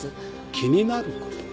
気になること？